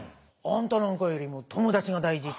「あんたなんかよりも友達が大事！